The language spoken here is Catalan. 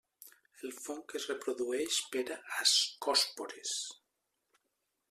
El fong es reprodueix per ascòspores.